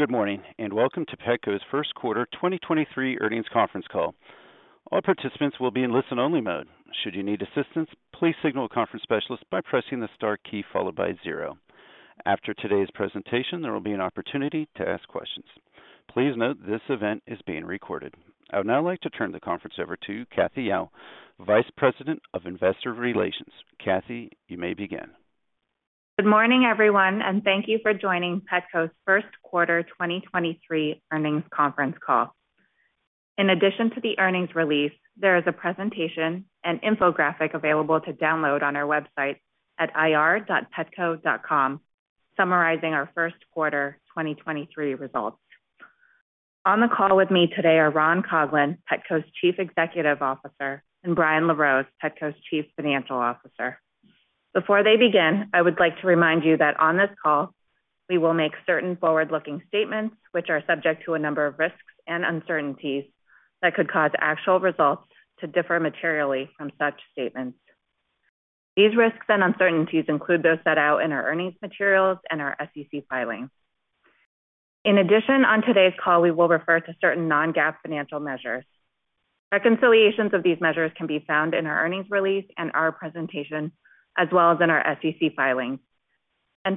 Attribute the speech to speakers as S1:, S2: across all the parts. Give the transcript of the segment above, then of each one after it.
S1: Good morning, welcome to Petco's first quarter 2023 earnings conference call. All participants will be in listen-only mode. Should you need assistance, please signal a conference specialist by pressing the star key followed by zero. After today's presentation, there will be an opportunity to ask questions. Please note this event is being recorded. I would now like to turn the conference over to Cathy Yao, Vice President of Investor Relations. Cathy, you may begin.
S2: Good morning, everyone, and thank you for joining Petco's first quarter 2023 earnings conference call. In addition to the earnings release, there is a presentation and infographic available to download on our website at ir.petco.com summarizing our first quarter 2023 results. On the call with me today are Ron Coughlin, Petco's Chief Executive Officer, and Brian LaRose, Petco's Chief Financial Officer. Before they begin, I would like to remind you that on this call we will make certain forward-looking statements which are subject to a number of risks and uncertainties that could cause actual results to differ materially from such statements. These risks and uncertainties include those set out in our earnings materials and our SEC filings. In addition, on today's call we will refer to certain non-GAAP financial measures. Reconciliations of these measures can be found in our earnings release and our presentation, as well as in our SEC filings.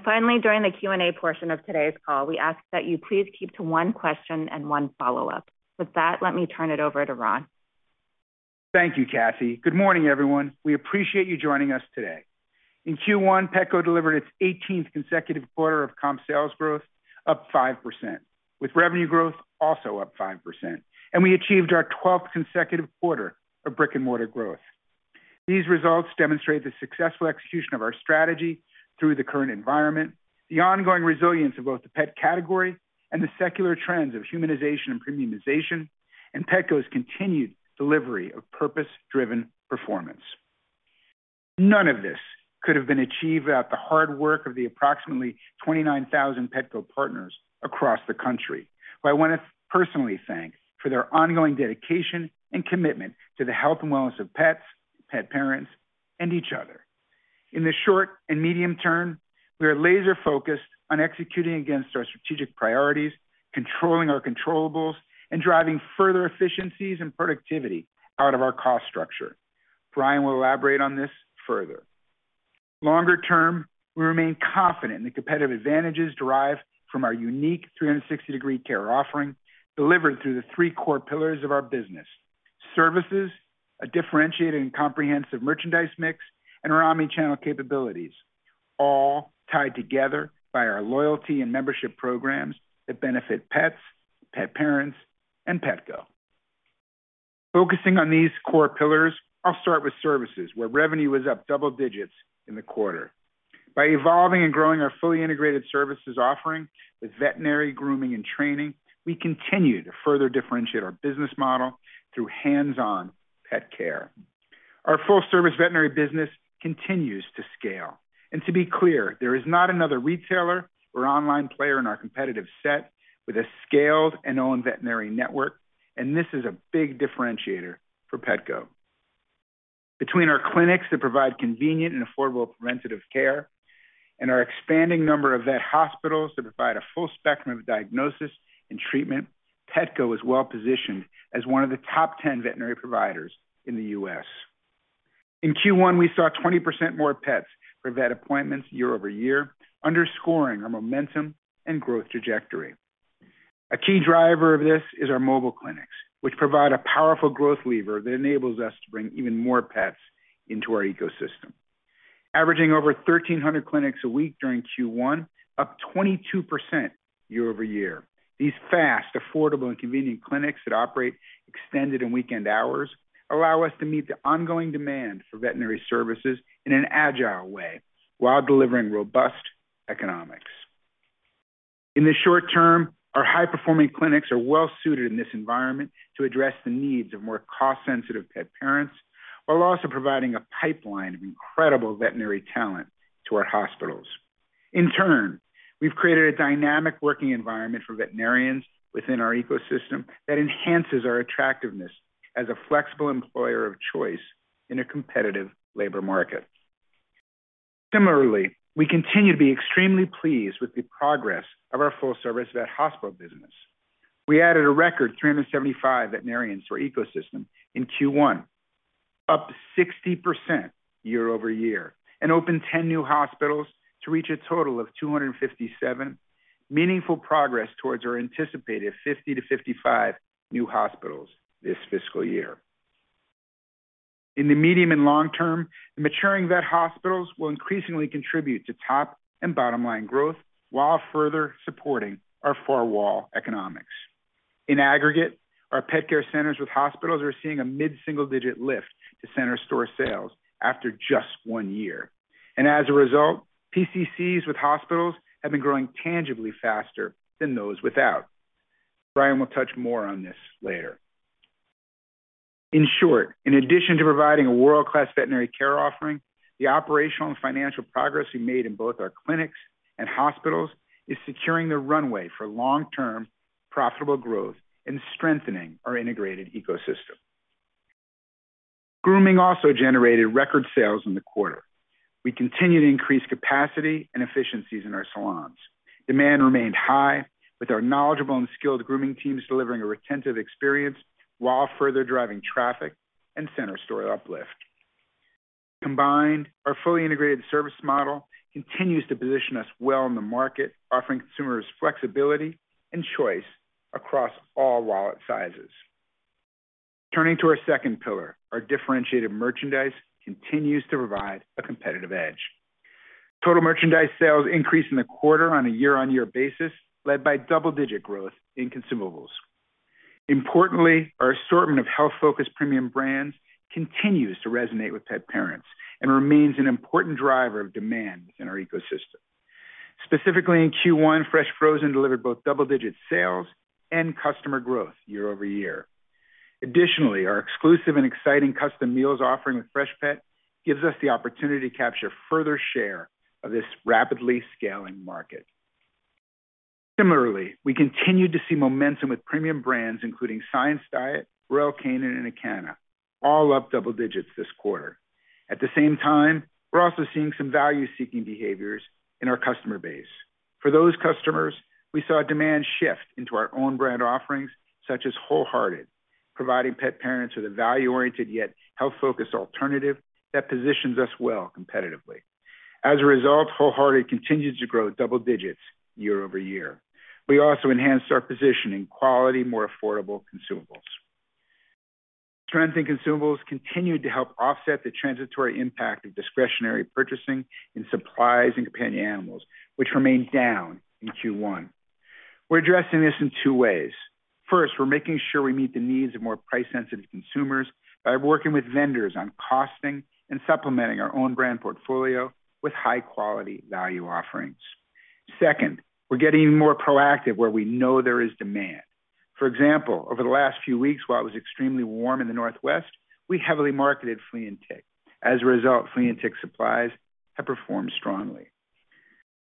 S2: Finally, during the Q&A portion of today's call, we ask that you please keep to one question and one follow-up. With that, let me turn it over to Ron.
S3: Thank you, Cathy. Good morning, everyone. We appreciate you joining us today. In Q1, Petco delivered its 18th consecutive quarter of comp sales growth, up 5%, with revenue growth also up 5%. We achieved our 12th consecutive quarter of brick-and-mortar growth. These results demonstrate the successful execution of our strategy through the current environment, the ongoing resilience of both the pet category and the secular trends of humanization and premiumization, and Petco's continued delivery of purpose-driven performance. None of this could have been achieved without the hard work of the approximately 29,000 Petco partners across the country, who I wanna personally thank for their ongoing dedication and commitment to the health and wellness of pets, pet parents, and each other. In the short and medium term, we are laser-focused on executing against our strategic priorities, controlling our controllables, and driving further efficiencies and productivity out of our cost structure. Brian will elaborate on this further. Longer term, we remain confident in the competitive advantages derived from our unique 360-degree care offering, delivered through the three core pillars of our business: Services, a differentiated and comprehensive merchandise mix, and our omni-channel capabilities, all tied together by our loyalty and membership programs that benefit pets, pet parents, and Petco. Focusing on these core pillars, I'll start with Services, where revenue was up double digits in the quarter. By evolving and growing our fully integrated Services offering with veterinary, grooming, and training, we continue to further differentiate our business model through hands-on pet care. Our full service veterinary business continues to scale. To be clear, there is not another retailer or online player in our competitive set with a scaled and owned veterinary network, and this is a big differentiator for Petco. Between our clinics that provide convenient and affordable preventative care and our expanding number of vet hospitals that provide a full spectrum of diagnosis and treatment, Petco is well-positioned as one of the top 10 veterinary providers in the U.S. In Q1, we saw 20% more pets for vet appointments year-over-year, underscoring our momentum and growth trajectory. A key driver of this is our mobile clinics, which provide a powerful growth lever that enables us to bring even more pets into our ecosystem. Averaging over 1,300 clinics a week during Q1, up 22% year-over-year, these fast, affordable, and convenient clinics that operate extended and weekend hours allow us to meet the ongoing demand for veterinary services in an agile way while delivering robust economics. In the short term, our high-performing clinics are well suited in this environment to address the needs of more cost-sensitive pet parents while also providing a pipeline of incredible veterinary talent to our hospitals. In turn, we've created a dynamic working environment for veterinarians within our ecosystem that enhances our attractiveness as a flexible employer of choice in a competitive labor market. We continue to be extremely pleased with the progress of our full-service vet hospital business. We added a record 375 veterinarians to our ecosystem in Q1, up 60% year-over-year, and opened 10 new hospitals to reach a total of 257, meaningful progress towards our anticipated 50-55 new hospitals this fiscal year. In the medium and long term, the maturing vet hospitals will increasingly contribute to top and bottom line growth while further supporting our four-wall economics. In aggregate, our Pet Care Centers with hospitals are seeing a mid-single-digit lift to center store sales after just one year. As a result, PCCs with hospitals have been growing tangibly faster than those without. Brian will touch more on this later. In short, in addition to providing a world-class veterinary care offering, the operational and financial progress we made in both our clinics and hospitals is securing the runway for long-term profitable growth and strengthening our integrated ecosystem. Grooming also generated record sales in the quarter. We continue to increase capacity and efficiencies in our salons. Demand remained high with our knowledgeable and skilled grooming teams delivering a retentive experience while further driving traffic and center store uplift. Combined, our fully integrated service model continues to position us well in the market, offering consumers flexibility and choice across all wallet sizes. Turning to our second pillar, our differentiated merchandise continues to provide a competitive edge. Total merchandise sales increased in the quarter on a year-on-year basis, led by double-digit growth in Consumables. Importantly, our assortment of health-focused premium brands continues to resonate with pet parents and remains an important driver of demand within our ecosystem. Specifically in Q1, Fresh & Frozen delivered both double-digit sales and customer growth year-over-year. Additionally, our exclusive and exciting custom meals offering with Freshpet gives us the opportunity to capture further share of this rapidly scaling market. Similarly, we continued to see momentum with premium brands including Science Diet, Royal Canin and ACANA, all up double digits this quarter. At the same time, we're also seeing some value-seeking behaviors in our customer base. For those customers, we saw demand shift into our own brand offerings such as WholeHearted, providing pet parents with a value-oriented yet health-focused alternative that positions us well competitively. As a result, WholeHearted continues to grow double digits year-over-year. We also enhanced our position in quality, more affordable Consumables. Trends in Consumables continued to help offset the transitory impact of discretionary purchasing in Supplies and Companion Animals, which remained down in Q1. We're addressing this in two ways. First, we're making sure we meet the needs of more price-sensitive consumers by working with vendors on costing and supplementing our own brand portfolio with high-quality value offerings. Second, we're getting more proactive where we know there is demand. For example, over the last few weeks, while it was extremely warm in the Northwest, we heavily marketed flea and tick. As a result, flea and tick supplies have performed strongly.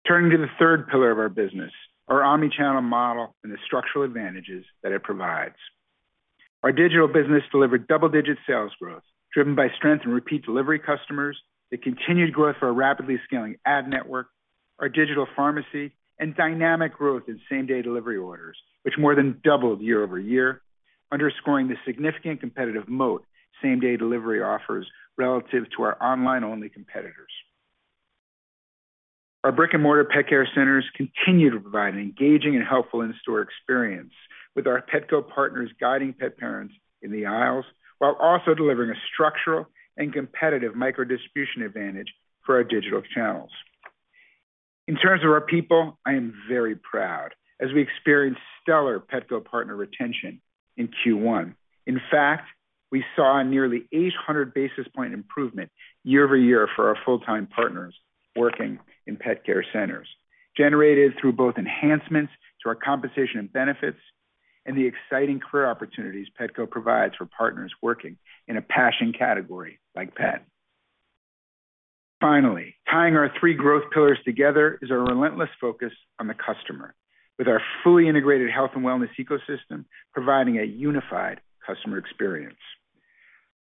S3: Turning to the third pillar of our business, our omnichannel model and the structural advantages that it provides. Our digital business delivered double-digit sales growth driven by strength in Repeat Delivery customers, the continued growth for our rapidly scaling ad network, our digital pharmacy, and dynamic growth in same-day delivery orders, which more than doubled year-over-year, underscoring the significant competitive moat same-day delivery offers relative to our online-only competitors. Our brick-and-mortar Pet Care Centers continue to provide an engaging and helpful in-store experience with our Petco partners guiding pet parents in the aisles while also delivering a structural and competitive micro-distribution advantage for our digital channels. In terms of our people, I am very proud as we experienced stellar Petco partner retention in Q1. In fact, we saw a nearly 800 basis point improvement year-over-year for our full-time partners working in Pet Care Centers, generated through both enhancements to our compensation and benefits and the exciting career opportunities Petco provides for partners working in a passion category like pet. Finally, tying our three growth pillars together is our relentless focus on the customer with our fully integrated health and wellness ecosystem, providing a unified customer experience.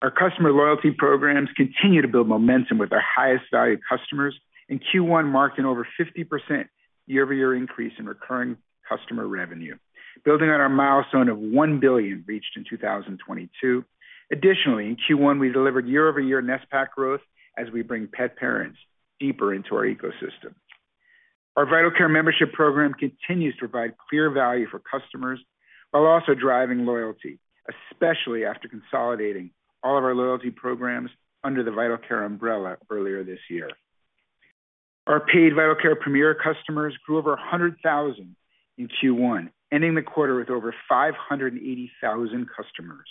S3: Our customer loyalty programs continue to build momentum with our highest valued customers in Q1, marking over 50% year-over-year increase in recurring customer revenue, building on our milestone of $1 billion reached in 2022. In Q1, we delivered year-over-year NSPAC growth as we bring pet parents deeper into our ecosystem. Our Vital Care membership program continues to provide clear value for customers while also driving loyalty, especially after consolidating all of our loyalty programs under the Vital Care umbrella earlier this year. Our paid Vital Care Premier customers grew over 100,000 in Q1, ending the quarter with over 580,000 customers.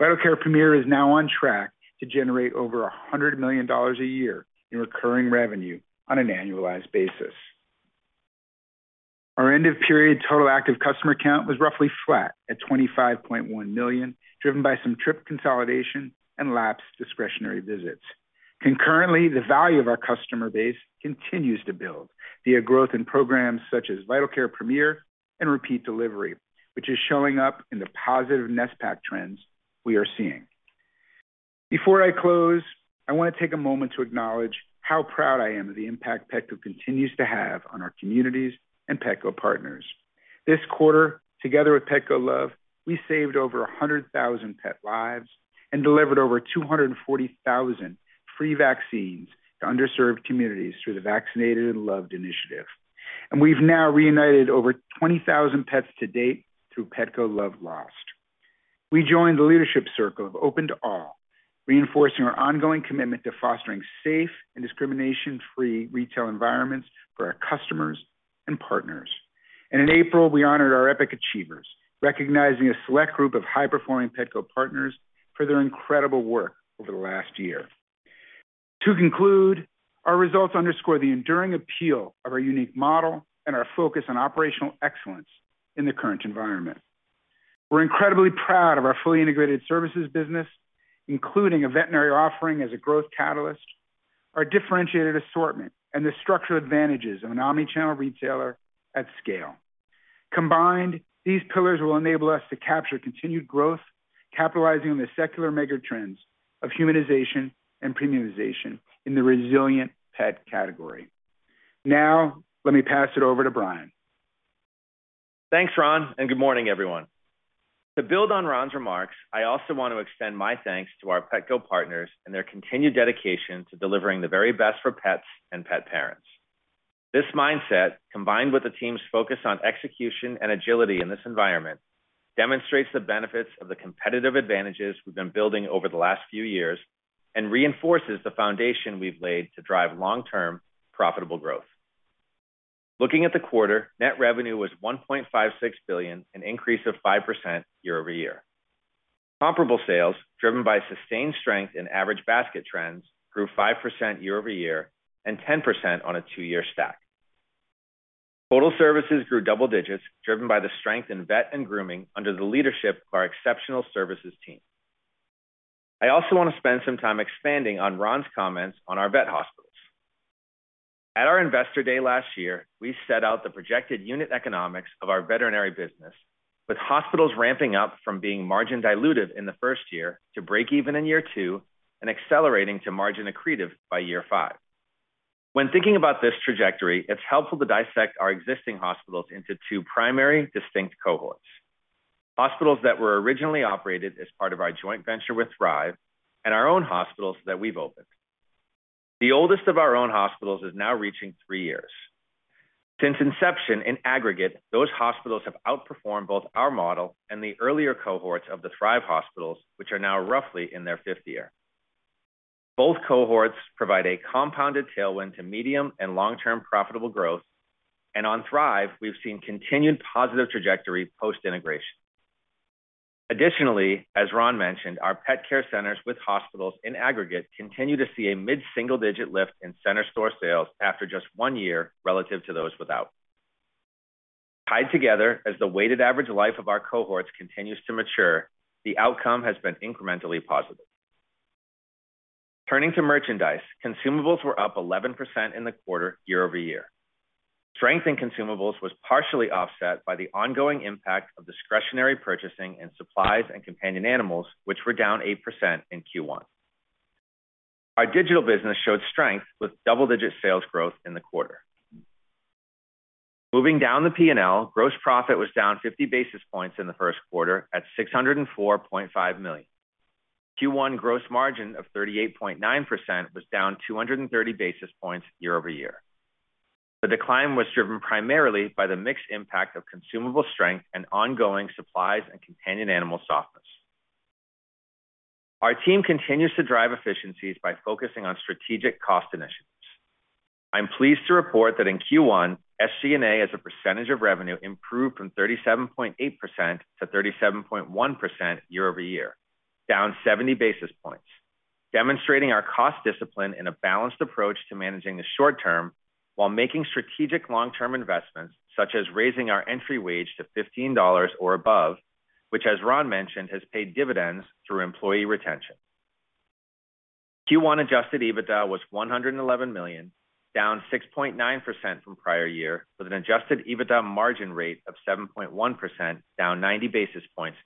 S3: Vital Care Premier is now on track to generate over $100 million a year in recurring revenue on an annualized basis. Our end-of-period total active customer count was roughly flat at 25.1 million, driven by some trip consolidation and lapsed discretionary visits. Concurrently, the value of our customer base continues to build via growth in programs such as Vital Care Premier and Repeat Delivery, which is showing up in the positive NSPAC trends we are seeing. Before I close, I want to take a moment to acknowledge how proud I am of the impact Petco continues to have on our communities and Petco partners. This quarter, together with Petco Love, we saved over 100,000 pet lives and delivered over 240,000 free vaccines to underserved communities through the Vaccinated and Loved initiative. We've now reunited over 20,000 pets to date through Petco Love Lost. We joined the leadership circle of Open to All, reinforcing our ongoing commitment to fostering safe and discrimination-free retail environments for our customers and partners. In April, we honored our epic achievers, recognizing a select group of high-performing Petco partners for their incredible work over the last year. To conclude, our results underscore the enduring appeal of our unique model and our focus on operational excellence in the current environment. We're incredibly proud of our fully integrated Services business, including a veterinary offering as a growth catalyst, our differentiated assortment, and the structural advantages of an omnichannel retailer at scale. Combined, these pillars will enable us to capture continued growth, capitalizing on the secular megatrends of humanization and premiumization in the resilient pet category. Let me pass it over to Brian.
S4: Thanks, Ron, and good morning, everyone. To build on Ron's remarks, I also want to extend my thanks to our Petco partners and their continued dedication to delivering the very best for pets and pet parents. This mindset, combined with the team's focus on execution and agility in this environment, demonstrates the benefits of the competitive advantages we've been building over the last few years and reinforces the foundation we've laid to drive long-term profitable growth. Looking at the quarter, net revenue was $1.56 billion, an increase of 5% year-over-year. Comparable sales, driven by sustained strength in average basket trends, grew 5% year-over-year and 10% on a two-year stack. Total Services grew double digits, driven by the strength in vet and grooming under the leadership of our exceptional Services team. I also want to spend some time expanding on Ron's comments on our vet hospitals. At our Investor Day last year, we set out the projected unit economics of our veterinary business, with hospitals ramping up from being margin dilutive in the first year to break even in year two and accelerating to margin accretive by year five. When thinking about this trajectory, it's helpful to dissect our existing hospitals into two primary distinct cohorts. Hospitals that were originally operated as part of our joint venture with Thrive and our own hospitals that we've opened. The oldest of our own hospitals is now reaching three years. Since inception, in aggregate, those hospitals have outperformed both our model and the earlier cohorts of the Thrive hospitals, which are now roughly in their fifth year. Both cohorts provide a compounded tailwind to medium and long-term profitable growth, and on Thrive, we've seen continued positive trajectory post-integration. Additionally, as Ron mentioned, our Pet Care Centers with hospitals, in aggregate, continue to see a mid-single-digit lift in center store sales after just one year relative to those without. Tied together as the weighted average life of our cohorts continues to mature, the outcome has been incrementally positive. Turning to merchandise, Consumables were up 11% in the quarter year-over-year. Strength in Consumables was partially offset by the ongoing impact of discretionary purchasing and Supplies and Companion Animals, which were down 8% in Q1. Our digital business showed strength with double-digit sales growth in the quarter. Moving down the P&L, gross profit was down 50 basis points in the first quarter at $604.5 million. Q1 gross margin of 38.9% was down 230 basis points year-over-year. The decline was driven primarily by the mixed impact of Consumables strength and ongoing Supplies and Companion Animals softness. Our team continues to drive efficiencies by focusing on strategic cost initiatives. I'm pleased to report that in Q1, SG&A, as a percentage of revenue, improved from 37.8% to 37.1% year-over-year, down 70 basis points, demonstrating our cost discipline in a balanced approach to managing the short term while making strategic long-term investments, such as raising our entry wage to $15 or above, which, as Ron mentioned, has paid dividends through employee retention. Q1 adjusted EBITDA was $111 million, down 6.9% from prior year, with an adjusted EBITDA margin rate of 7.1%, down 90 basis points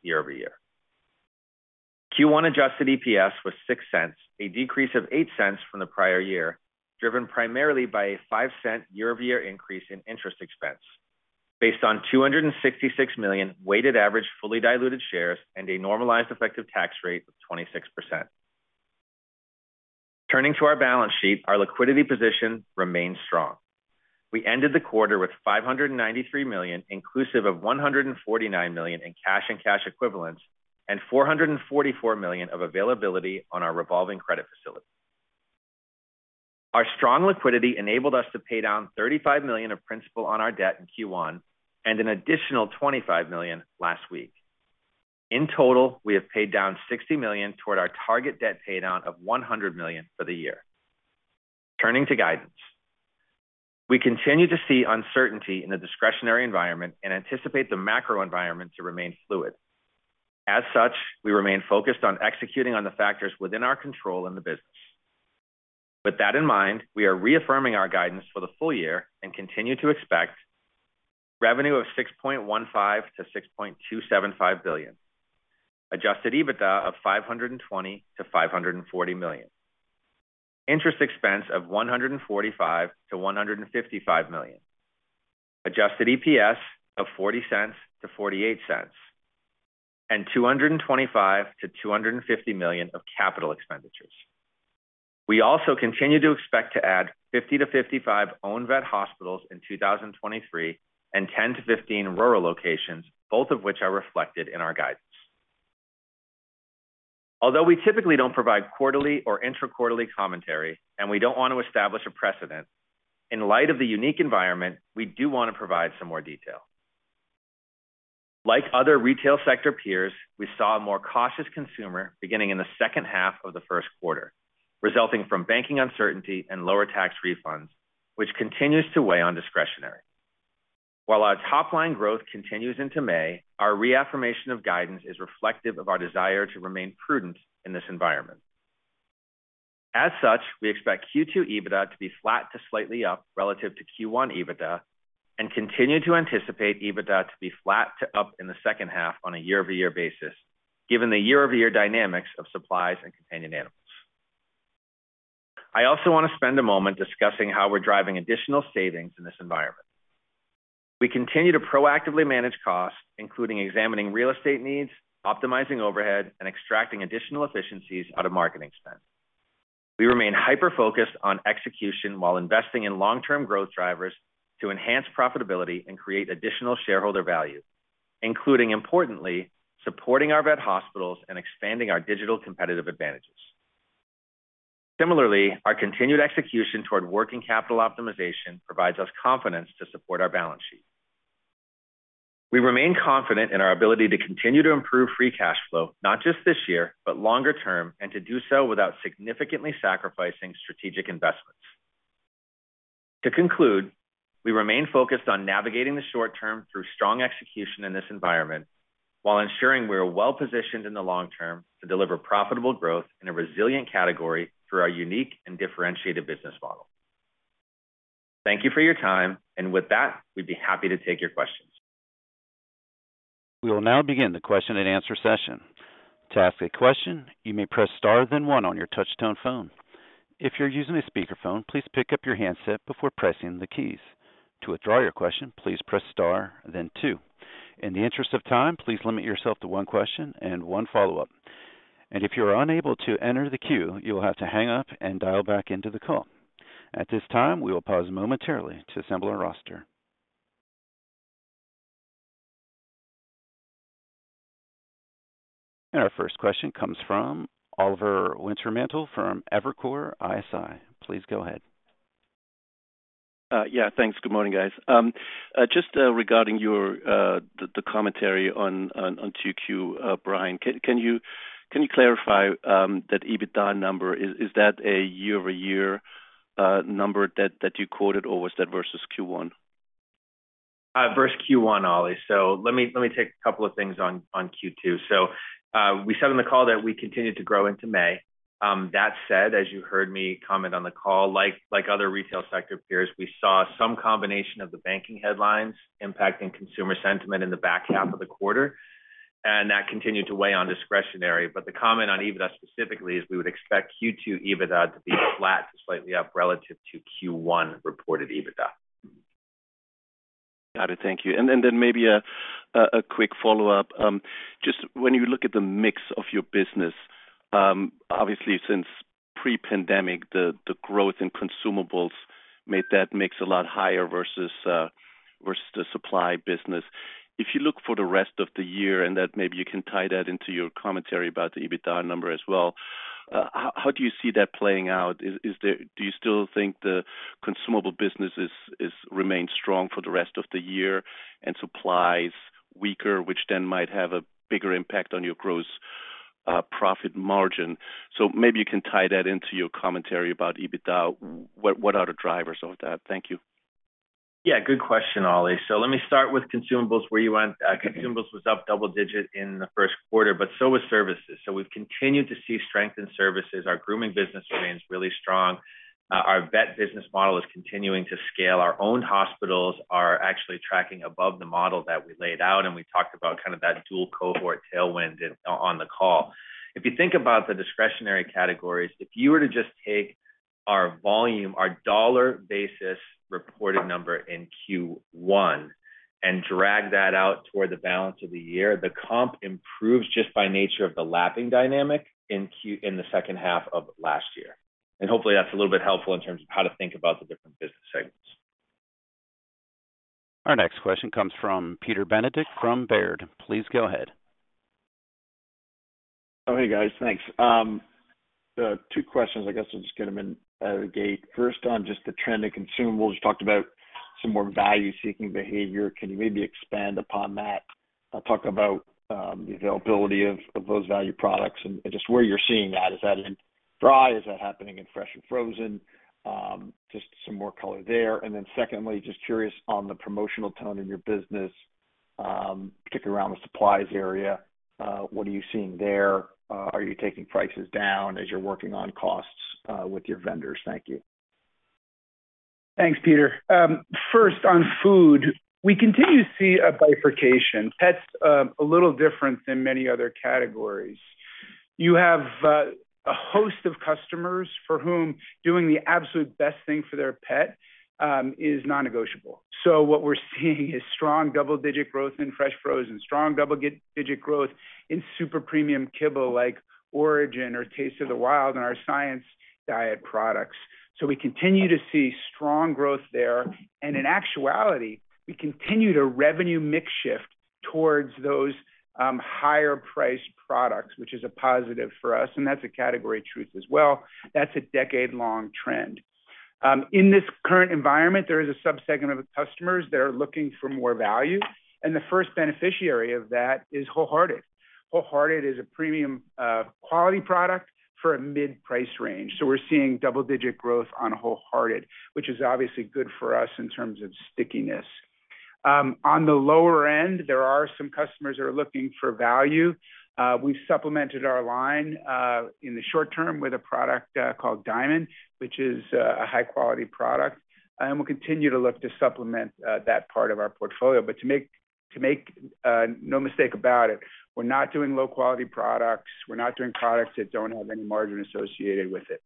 S4: year-over-year. Q1 adjusted EPS was $0.06, a decrease of $0.08 from the prior year, driven primarily by a $0.05 year-over-year increase in interest expense based on 266 million weighted average fully diluted shares and a normalized effective tax rate of 26%. Turning to our balance sheet, our liquidity position remains strong. We ended the quarter with $593 million, inclusive of $149 million in cash and cash equivalents, and $444 million of availability on our revolving credit facility. Our strong liquidity enabled us to pay down $35 million of principal on our debt in Q1 and an additional $25 million last week. In total, we have paid down $60 million toward our target debt paydown of $100 million for the year. Turning to guidance. We continue to see uncertainty in the discretionary environment and anticipate the macro environment to remain fluid. As such, we remain focused on executing on the factors within our control in the business. With that in mind, we are reaffirming our guidance for the full year and continue to expect revenue of $6.15 billion-$6.275 billion, adjusted EBITDA of $520 million-$540 million, interest expense of $145 million-$155 million, adjusted EPS of $0.40-$0.48, and $225 million-$250 million of capital expenditures. We also continue to expect to add 50-55 owned vet hospitals in 2023 and 10-15 rural locations, both of which are reflected in our guidance. We typically don't provide quarterly or intra-quarterly commentary, and we don't want to establish a precedent, in light of the unique environment, we do want to provide some more detail. Like other retail sector peers, we saw a more cautious consumer beginning in the second half of the first quarter, resulting from banking uncertainty and lower tax refunds, which continues to weigh on discretionary. While our top-line growth continues into May, our reaffirmation of guidance is reflective of our desire to remain prudent in this environment. As such, we expect Q2 EBITDA to be flat to slightly up relative to Q1 EBITDA and continue to anticipate EBITDA to be flat to up in the second half on a year-over-year basis, given the year-over-year dynamics of Supplies and Companion Animals. I also want to spend a moment discussing how we're driving additional savings in this environment. We continue to proactively manage costs, including examining real estate needs, optimizing overhead, and extracting additional efficiencies out of marketing spend. We remain hyper-focused on execution while investing in long-term growth drivers to enhance profitability and create additional shareholder value, including, importantly, supporting our vet hospitals and expanding our digital competitive advantages. Similarly, our continued execution toward working capital optimization provides us confidence to support our balance sheet. We remain confident in our ability to continue to improve free cash flow, not just this year, but longer term, and to do so without significantly sacrificing strategic investments. To conclude, we remain focused on navigating the short term through strong execution in this environment while ensuring we are well-positioned in the long term to deliver profitable growth in a resilient category through our unique and differentiated business model. Thank you for your time, and with that, we'd be happy to take your questions.
S1: We will now begin the question-and-answer session. To ask a question, you may press star then one on your touch-tone phone. If you're using a speakerphone, please pick up your handset before pressing the keys. To withdraw your question, please press star then two. In the interest of time, please limit yourself to one question and one follow-up. If you are unable to enter the queue, you will have to hang up and dial back into the call. At this time, we will pause momentarily to assemble our roster. Our first question comes from Oliver Wintermantel from Evercore ISI. Please go ahead.
S5: Yeah, thanks. Good morning, guys. Just regarding your, the commentary on 2Q, Brian, can you clarify that EBITDA number? Is that a year-over-year number that you quoted, or was that versus Q1?
S4: It's versus Q1, Oli. Let me take a couple of things on Q2. We said on the call that we continued to grow into May. That said, as you heard me comment on the call, like other retail sector peers, we saw some combination of the banking headlines impacting consumer sentiment in the back half of the quarter, and that continued to weigh on discretionary. The comment on EBITDA specifically is we would expect Q2 EBITDA to be flat to slightly up relative to Q1 reported EBITDA.
S5: Got it. Thank you. Then maybe a quick follow-up. Just when you look at the mix of your business, obviously since pre-pandemic, the growth in Consumables made that mix a lot higher versus the supply business. If you look for the rest of the year, and that maybe you can tie that into your commentary about the EBITDA number as well, how do you see that playing out? Do you still think the Consumables business remains strong for the rest of the year and Supplies and Companion Animals weaker, which then might have a bigger impact on your gross profit margin? Maybe you can tie that into your commentary about EBITDA. What are the drivers of that? Thank you.
S4: Yeah, good question, Oli. Let me start with Consumables, where you went. Consumables was up double digit in the first quarter, but so was Services. We've continued to see strength in Services. Our grooming business remains really strong. Our vet business model is continuing to scale. Our own hospitals are actually tracking above the model that we laid out, and we talked about kind of that dual cohort tailwind on the call. If you think about the discretionary categories, if you were to just take our volume, our dollar basis reported number in Q1 and drag that out toward the balance of the year, the comp improves just by nature of the lapping dynamic in the second half of last year. Hopefully, that's a little bit helpful in terms of how to think about the different business segments.
S1: Our next question comes from Peter Benedict from Baird. Please go ahead.
S6: Oh, hey, guys. Thanks. Two questions. I guess I'll just get them in out of the gate. First, on just the trend in Consumables, you talked about some more value-seeking behavior. Can you maybe expand upon that? Talk about the availability of those value products and just where you're seeing that. Is that in dry? Is that happening in Fresh & Frozen? Just some more color there. Secondly, just curious on the promotional tone in your business, particularly around the Supplies and Companion Animals area. What are you seeing there? Are you taking prices down as you're working on costs with your vendors? Thank you.
S3: Thanks, Peter. First, on food, we continue to see a bifurcation. Pet's a little different than many other categories. You have a host of customers for whom doing the absolute best thing for their pet is non-negotiable. What we're seeing is strong double-digit growth in Fresh & Frozen, strong double-digit growth in super premium kibble like Orijen or Taste of the Wild and our Science Diet products. We continue to see strong growth there. In actuality, we continue to revenue mix shift towards those higher priced products, which is a positive for us, and that's a category truth as well. That's a decade-long trend. In this current environment, there is a subsegment of customers that are looking for more value, and the first beneficiary of that is WholeHearted. WholeHearted is a premium quality product for a mid-price range. We're seeing double-digit growth on WholeHearted, which is obviously good for us in terms of stickiness. On the lower end, there are some customers that are looking for value. We supplemented our line in the short term with a product called Diamond, which is a high quality product. We'll continue to look to supplement that part of our portfolio. To make no mistake about it, we're not doing low quality products. We're not doing products that don't have any margin associated with it.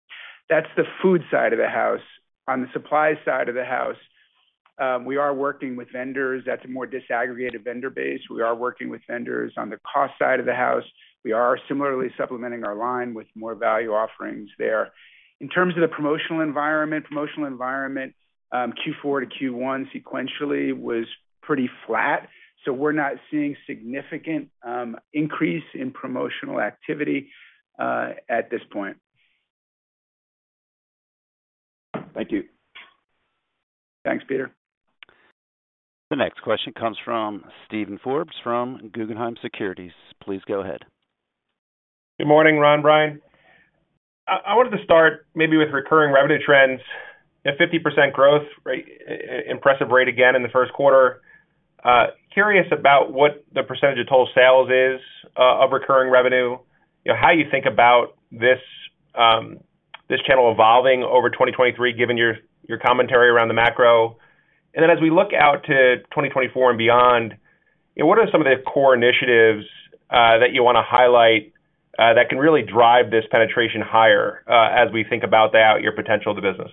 S3: That's the food side of the house. On the supply side of the house, we are working with vendors. That's a more disaggregated vendor base. We are working with vendors on the cost side of the house. We are similarly supplementing our line with more value offerings there. In terms of the promotional environment, Q4 to Q1 sequentially was pretty flat. We're not seeing significant increase in promotional activity at this point.
S6: Thank you.
S3: Thanks, Peter.
S1: The next question comes from Steven Forbes from Guggenheim Securities. Please go ahead.
S7: Good morning, Ron, Brian. I wanted to start maybe with recurring revenue trends. At 50% growth rate, impressive rate again in the first quarter. Curious about what the percentage of total sales is of recurring revenue. You know, how you think about this channel evolving over 2023, given your commentary around the macro. As we look out to 2024 and beyond, you know, what are some of the core initiatives that you wanna highlight that can really drive this penetration higher as we think about your potential to business?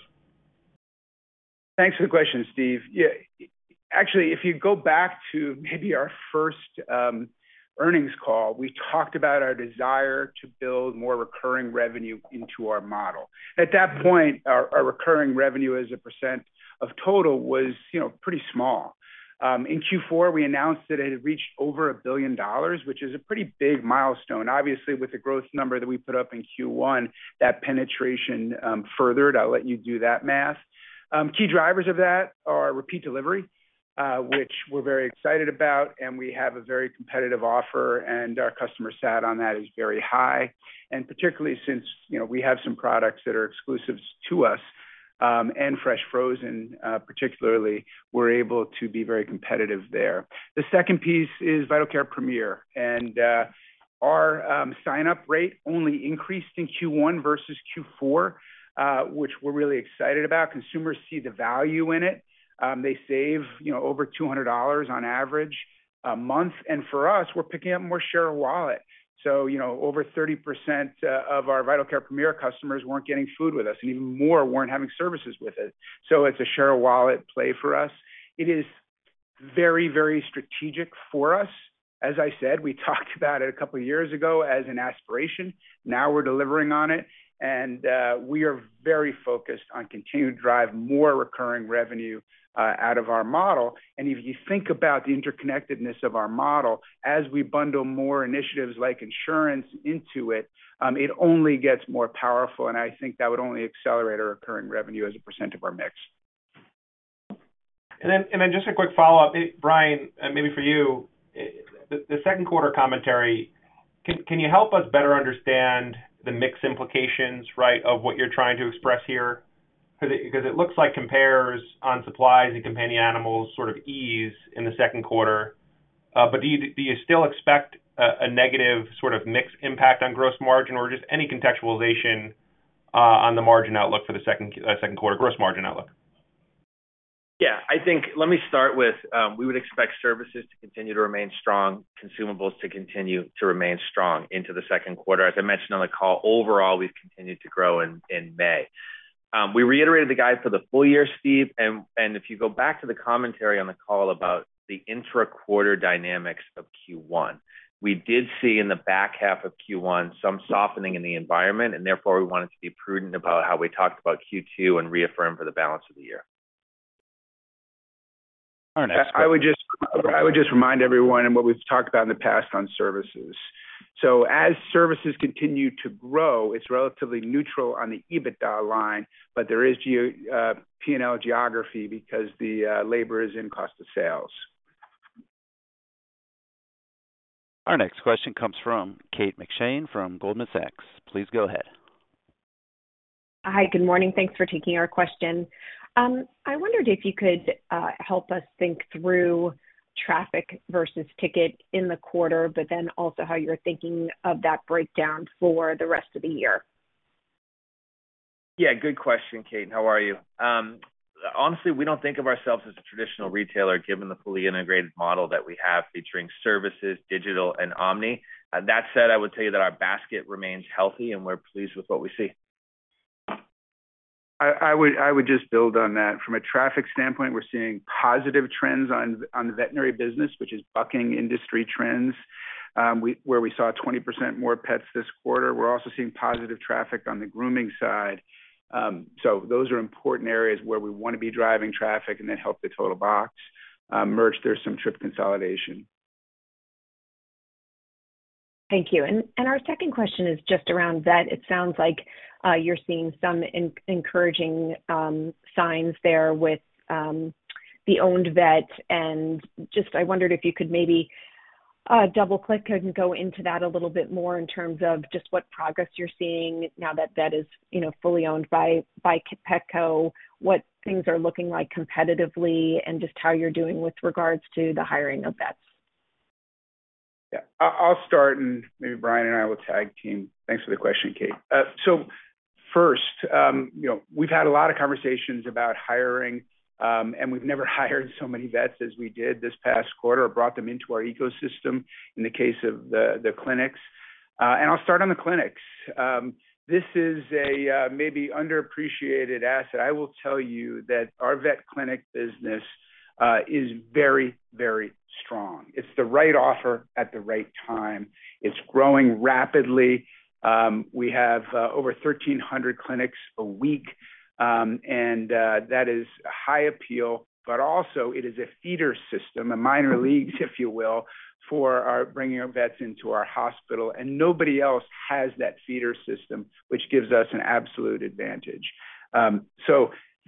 S3: Thanks for the question, Steve. Yeah, actually, if you go back to maybe our first earnings call, we talked about our desire to build more recurring revenue into our model. At that point, our recurring revenue as a percentae of total was, you know, pretty small. In Q4, we announced that it had reached over $1 billion, which is a pretty big milestone. Obviously, with the growth number that we put up in Q1, that penetration furthered. I'll let you do that math. Key drivers of that are Repeat Delivery, which we're very excited about, and we have a very competitive offer, and our customer sat on that is very high. Particularly since, you know, we have some products that are exclusive to us, and Fresh & Frozen, particularly, we're able to be very competitive there. The second piece is Vital Care Premier. Our sign-up rate only increased in Q1 versus Q4, which we're really excited about. Consumers see the value in it. They save, you know, over $200 on average a month. For us, we're picking up more share of wallet. You know, over 30% of our Vital Care Premier customers weren't getting food with us, and even more weren't having services with it. It's a share of wallet play for us. It is very, very strategic for us. As I said, we talked about it a couple years ago as an aspiration. Now we're delivering on it, and we are very focused on continuing to drive more recurring revenue out of our model. If you think about the interconnectedness of our model, as we bundle more initiatives like insurance into it only gets more powerful, and I think that would only accelerate our recurring revenue as a percentage of our mix.
S7: Then just a quick follow-up. Hey, Brian, maybe for you. The second quarter commentary, can you help us better understand the mix implications, right, of what you're trying to express here? 'Cause it looks like compares on Supplies and Companion Animals sort of ease in the second quarter. Do you still expect a negative sort of mix impact on gross margin, or just any contextualization on the margin outlook for the second quarter gross margin outlook?
S4: I think let me start with, we would expect Services to continue to remain strong, Consumables to continue to remain strong into the second quarter. As I mentioned on the call, overall, we've continued to grow in May. We reiterated the guide for the full year, Steve, and if you go back to the commentary on the call about the intra-quarter dynamics of Q1, we did see in the back half of Q1 some softening in the environment, and therefore, we wanted to be prudent about how we talked about Q2 and reaffirm for the balance of the year.
S3: I would just remind everyone on what we've talked about in the past on Services. As Services continue to grow, it's relatively neutral on the EBITDA line, but there is P&L geography because the labor is in cost of sales.
S1: Our next question comes from Kate McShane from Goldman Sachs. Please go ahead.
S8: Hi. Good morning. Thanks for taking our question. I wondered if you could help us think through traffic versus ticket in the quarter, but then also how you're thinking of that breakdown for the rest of the year.
S4: Yeah, good question, Kate. How are you? Honestly, we don't think of ourselves as a traditional retailer given the fully integrated model that we have featuring services, digital, and omni. That said, I would tell you that our basket remains healthy, and we're pleased with what we see.
S3: I would just build on that. From a traffic standpoint, we're seeing positive trends on the veterinary business, which is bucking industry trends, where we saw 20% more pets this quarter. We're also seeing positive traffic on the grooming side. Those are important areas where we wanna be driving traffic and then help the total box. Merch, there's some trip consolidation.
S8: Thank you. Our second question is just around Vetco. It sounds like you're seeing some encouraging signs there with the owned Vetco. Just I wondered if you could maybe double-click and go into that a little bit more in terms of just what progress you're seeing now that that is, you know, fully owned by Petco, what things are looking like competitively and just how you're doing with regards to the hiring of vets?
S3: I'll start, and maybe Brian and I will tag team. Thanks for the question, Kate. First, you know, we've had a lot of conversations about hiring, and we've never hired so many vets as we did this past quarter, or brought them into our ecosystem in the case of the clinics. I'll start on the clinics. This is a maybe underappreciated asset. I will tell you that our vet clinic business is very, very strong. It's the right offer at the right time. It's growing rapidly. We have over 1,300 clinics a week, and that is high appeal, but also it is a feeder system, a minor league, if you will, for our bringing our vets into our hospital, and nobody else has that feeder system, which gives us an absolute advantage.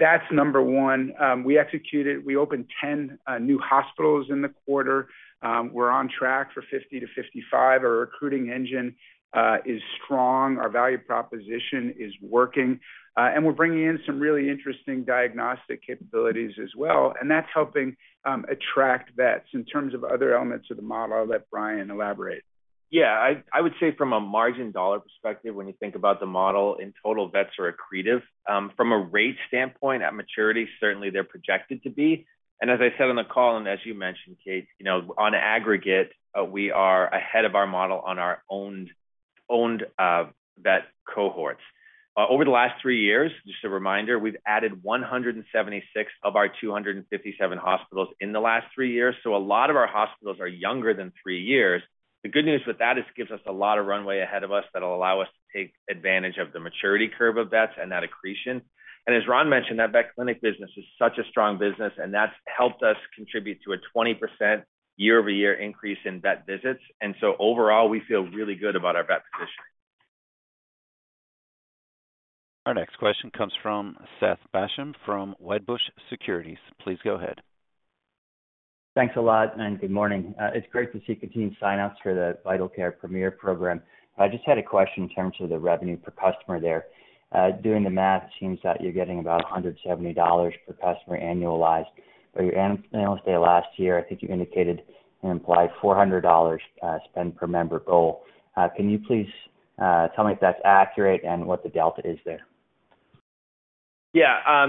S3: That's number one. We opened 10 new hospitals in the quarter. We're on track for 50-55. Our recruiting engine is strong. Our value proposition is working, and we're bringing in some really interesting diagnostic capabilities as well, and that's helping attract vets. In terms of other elements of the model, I'll let Brian elaborate.
S4: I would say from a margin dollar perspective, when you think about the model, in total, vets are accretive. From a rate standpoint, at maturity, certainly they're projected to be. As I said on the call, and as you mentioned, Kate, you know, on aggregate, we are ahead of our model on our owned vet cohorts. Over the last three years, just a reminder, we've added 176 of our 257 hospitals in the last three years, so a lot of our hospitals are younger than three years. The good news with that is it gives us a lot of runway ahead of us that'll allow us to take advantage of the maturity curve of vets and that accretion. As Ron mentioned, that vet clinic business is such a strong business, and that's helped us contribute to a 20% year-over-year increase in vet visits. Overall, we feel really good about our vet position.
S1: Our next question comes from Seth Basham from Wedbush Securities. Please go ahead.
S9: Thanks a lot, and good morning. It's great to see continued sign-ups for the Vital Care Premier program. I just had a question in terms of the revenue per customer there. Doing the math, it seems that you're getting about $170 per customer annualized. At your Analyst Day last year, I think you indicated an implied $400 spend per member goal. Can you please tell me if that's accurate and what the delta is there?
S4: Yeah.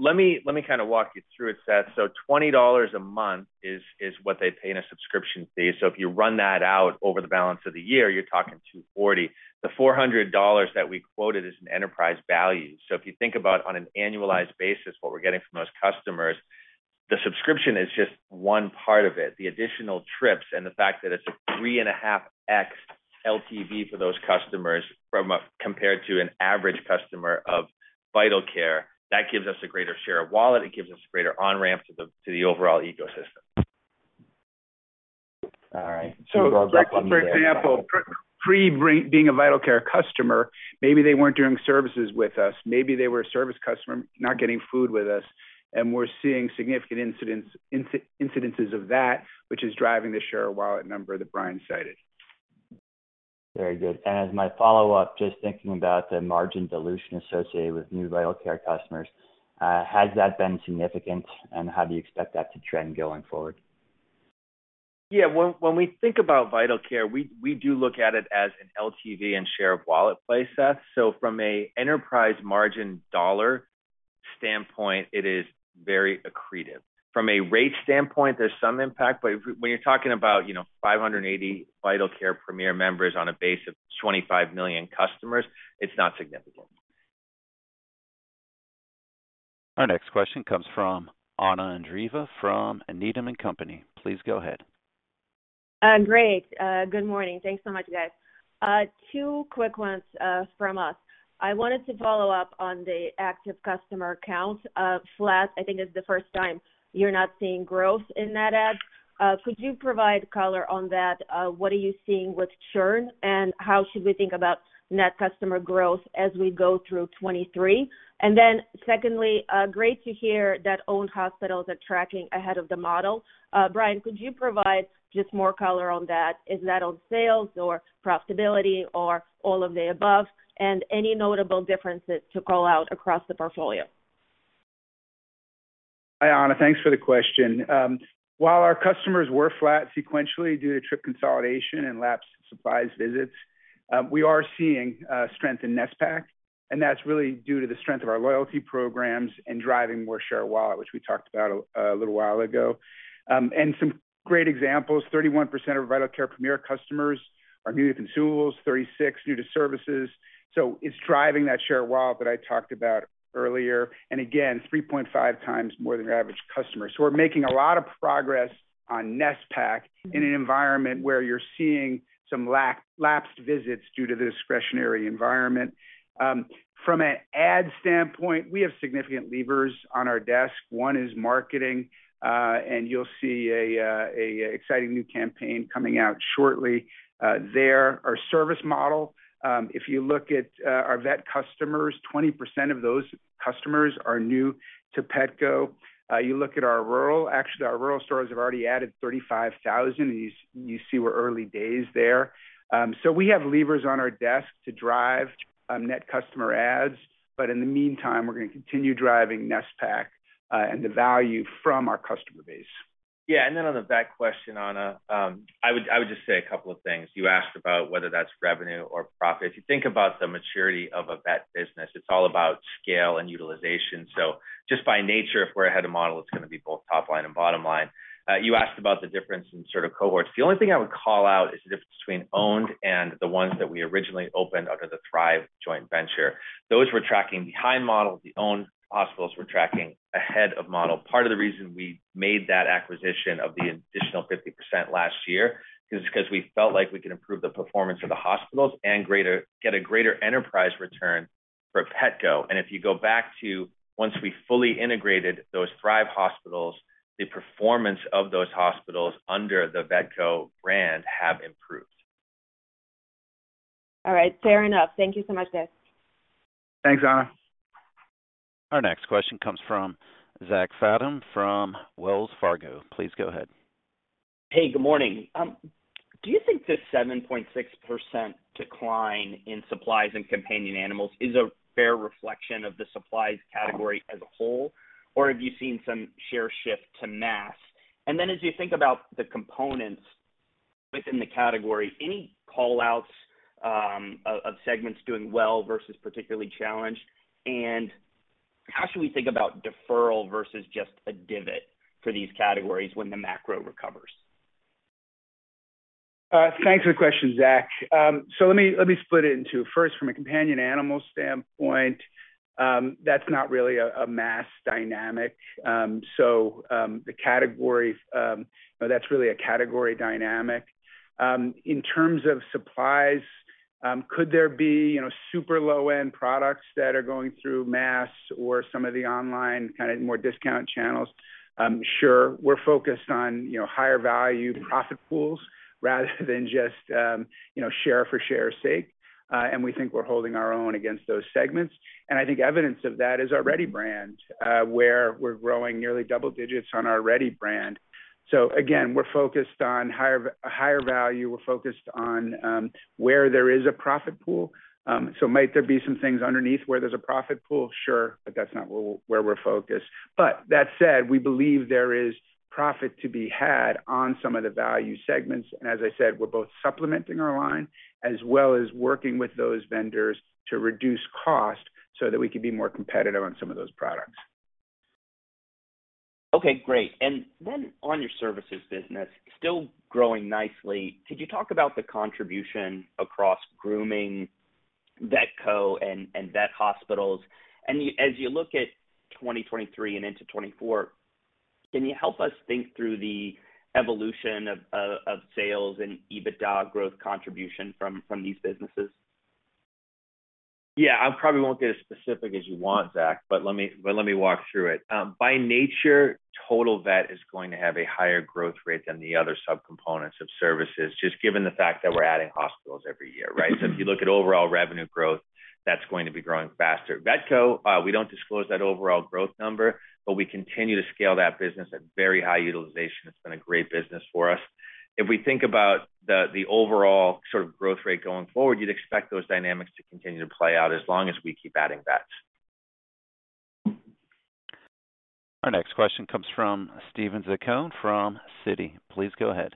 S4: Let me kind of walk you through it, Seth. $20 a month is what they pay in a subscription fee. If you run that out over the balance of the year, you're talking $240. The $400 that we quoted is an enterprise value. If you think about on an annualized basis what we're getting from those customers, the subscription is just one part of it. The additional trips and the fact that it's a 3.5x LTV for those customers compared to an average customer of Vital Care, that gives us a greater share of wallet. It gives us greater on-ramp to the overall ecosystem.
S9: All right.
S3: For example, prior to being a Vital Care customer, maybe they weren't doing services with us. Maybe they were a service customer not getting food with us, and we're seeing significant incidents, incidences of that, which is driving the share of wallet number that Brian cited.
S9: Very good. As my follow-up, just thinking about the margin dilution associated with new Vital Care customers, has that been significant, and how do you expect that to trend going forward?
S4: Yeah. When we think about Vital Care, we do look at it as an LTV and share of wallet play, Seth. From a enterprise margin dollar standpoint, it is very accretive. From a rate standpoint, there's some impact, but when you're talking about, you know, 580 Vital Care Premier members on a base of 25 million customers, it's not significant.
S1: Our next question comes from Anna Andreeva from Needham & Company. Please go ahead.
S10: Great. Good morning. Thanks so much, guys. Two quick ones from us. I wanted to follow up on the active customer count. Flat, I think is the first time you're not seeing growth in that ad. Could you provide color on that? What are you seeing with churn, and how should we think about net customer growth as we go through 2023? Secondly, great to hear that owned hospitals are tracking ahead of the model. Brian, could you provide just more color on that? Is that on sales or profitability or all of the above, and any notable differences to call out across the portfolio?
S3: Hi, Anna. Thanks for the question. While our customers were flat sequentially due to trip consolidation and lapsed supplies visits, we are seeing strength in NSPAC, and that's really due to the strength of our loyalty programs and driving more share of wallet, which we talked about a little while ago. Some great examples, 31% of Vital Care Premier customers are new to Consumables, 36% new to Services. It's driving that share of wallet that I talked about earlier, and again, 3.5x more than your average customer. We're making a lot of progress on NSPAC in an environment where you're seeing some lack-lapsed visits due to the discretionary environment. From an ad standpoint, we have significant levers on our desk. One is marketing, and you'll see a exciting new campaign coming out shortly. There, our service model, if you look at our vet customers, 20% of those customers are new to Petco. You look at our rural, actually, our rural stores have already added 35,000, and you see we're early days there. We have levers on our desk to drive net customer adds, but in the meantime, we're gonna continue driving NSPAC and the value from our customer base.
S4: Yeah. Then on the vet question, Anna, I would just say a couple of things. You asked about whether that's revenue or profit. If you think about the maturity of a vet business, it's all about scale and utilization. Just by nature, if we're ahead of model, it's gonna be both top line and bottom line. You asked about the difference in sort of cohorts. The only thing I would call out is the difference between owned and the ones that we originally opened under the Thrive joint venture. Those were tracking behind model, the owned hospitals were tracking ahead of model. Part of the reason we made that acquisition of the additional 50% last year is 'cause we felt like we could improve the performance of the hospitals and get a greater enterprise return for Petco. If you go back to once we fully integrated those Thrive hospitals, the performance of those hospitals under the Vetco brand have improved.
S10: All right. Fair enough. Thank you so much, guys.
S3: Thanks, Anna.
S1: Our next question comes from Zach Fadem from Wells Fargo. Please go ahead.
S11: Hey, good morning. Do you think the 7.6% decline in Supplies and Companion Animals is a fair reflection of the supplies category as a whole, or have you seen some share shift to mass? As you think about the components within the category, any call-outs of segments doing well versus particularly challenged? How should we think about deferral versus just a divot for these categories when the macro recovers?
S3: Thanks for the question, Zach. Let me split it in 2. First, from a Supplies and Companion Animals standpoint, that's not really a mass dynamic. That's really a category dynamic. In terms of supplies, could there be, you know, super low-end products that are going through mass or some of the online kinda more discount channels? Sure. We're focused on, you know, higher value profit pools rather than just, you know, share for share's sake. We think we're holding our own against those segments. I think evidence of that is our Reddy brand, where we're growing nearly double digits on our Reddy brand. Again, we're focused on higher value. We're focused on where there is a profit pool. Might there be some things underneath where there's a profit pool? Sure, that's not where we're, where we're focused. That said, we believe there is profit to be had on some of the value segments. As I said, we're both supplementing our line as well as working with those vendors to reduce cost so that we can be more competitive on some of those products.
S11: Okay, great. On your Services business, still growing nicely. Could you talk about the contribution across grooming, Vetco and vet hospitals? As you look at 2023 and into 2024, can you help us think through the evolution of sales and EBITDA growth contribution from these businesses?
S4: Yeah. I probably won't get as specific as you want, Zach, but let me walk through it. by nature, total vet is going to have a higher growth rate than the other subcomponents of Services, just given the fact that we're adding hospitals every year, right? If you look at overall revenue growth, that's going to be growing faster. Vetco, we don't disclose that overall growth number, but we continue to scale that business at very high utilization. It's been a great business for us. If we think about the overall sort of growth rate going forward, you'd expect those dynamics to continue to play out as long as we keep adding vets.
S1: Our next question comes from Steven Zaccone from Citi. Please go ahead.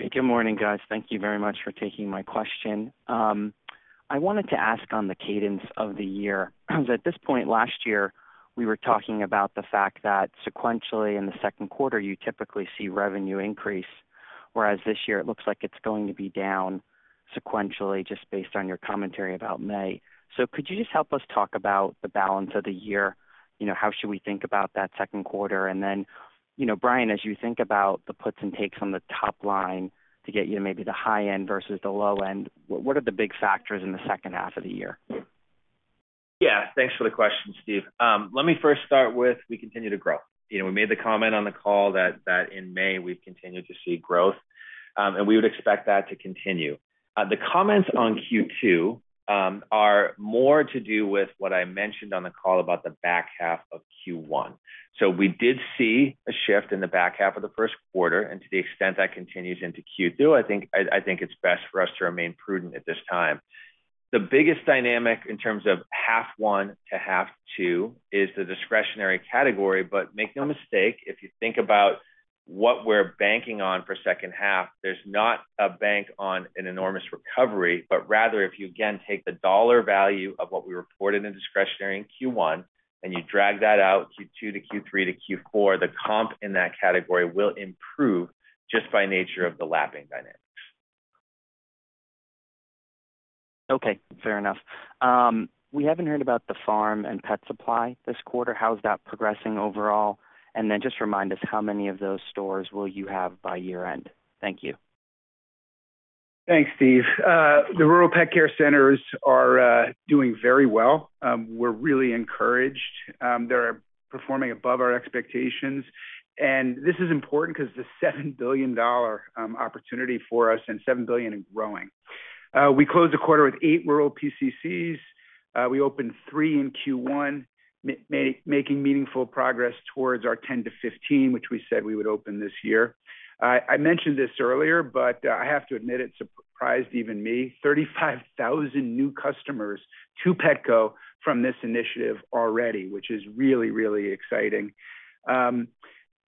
S12: Good morning, guys. Thank you very much for taking my question. I wanted to ask on the cadence of the year. At this point last year, we were talking about the fact that sequentially in the second quarter, you typically see revenue increase, whereas this year it looks like it's going to be down sequentially just based on your commentary about May. Could you just help us talk about the balance of the year? You know, how should we think about that second quarter? You know, Brian, as you think about the puts and takes on the top line to get you to maybe the high end versus the low end, what are the big factors in the second half of the year?
S4: Yeah. Thanks for the question, Steve. Let me first start with we continue to grow. You know, we made the comment on the call that in May we've continued to see growth, and we would expect that to continue. The comments on Q2 are more to do with what I mentioned on the call about the back half of Q1. We did see a shift in the back half of the first quarter, and to the extent that continues into Q2, I think it's best for us to remain prudent at this time. The biggest dynamic in terms of half one to half two is the discretionary category. Make no mistake, if you think about what we're banking on for second half, there's not a bank on an enormous recovery, but rather, if you, again, take the dollar value of what we reported in discretionary in Q1, and you drag that out Q2 to Q3 to Q4, the comp in that category will improve just by nature of the lapping dynamics.
S12: Okay. Fair enough. We haven't heard about the rural Pet Care Centers this quarter. How is that progressing overall? Just remind us how many of those stores will you have by year-end? Thank you.
S3: Thanks, Steve. The rural Pet Care Centers are doing very well. We're really encouraged. They're performing above our expectations. This is important 'cause it's a $7 billion opportunity for us. $7 billion and growing. We closed the quarter with eight rural PCCs. We opened three in Q1, making meaningful progress towards our 10-15, which we said we would open this year. I mentioned this earlier, but I have to admit it surprised even me. 35,000 new customers to Petco from this initiative already, which is really, really exciting.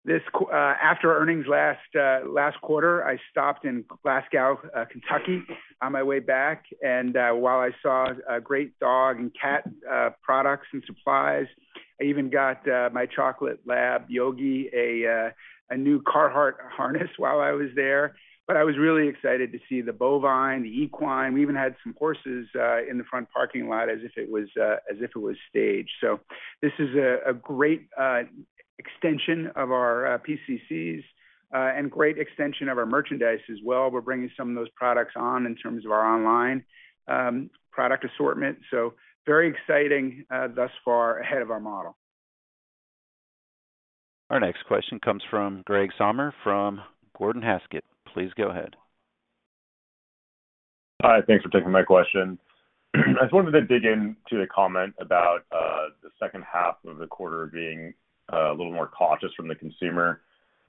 S3: This after earnings last quarter, I stopped in Glasgow, Kentucky on my way back, and while I saw a great dog and cat products and supplies, I even got my chocolate lab, Yogi, a new Carhartt harness while I was there. I was really excited to see the bovine, the equine. We even had some horses in the front parking lot as if it was as if it was staged. This is a great extension of our PCCs and great extension of our merchandise as well. We're bringing some of those products on in terms of our online product assortment. Very exciting, thus far ahead of our model.
S1: Our next question comes from Greg Sommer from Gordon Haskett. Please go ahead.
S13: Hi, thanks for taking my question. I just wanted to dig in to the comment about the second half of the quarter being a little more cautious from the consumer.